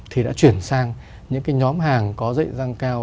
thì đã chuyển sang những cái nhóm hàng có dị dàng cao